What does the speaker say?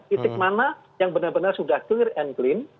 titik mana yang benar benar sudah clear and clean